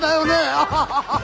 アハハハハ！